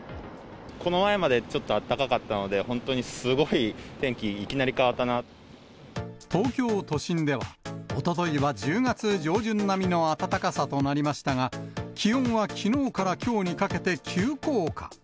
この前まで、ちょっとあったかかったので本当にすごい、天気いきなり変わった東京都心ではおとといは１０月上旬並みの暖かさとなりましたが、気温はきのうからきょうにかけて急降下。